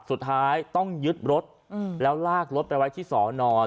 สุดท้ายต้องยึดรถแล้วลากรถไปไว้ที่สอนอน